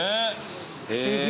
不思議。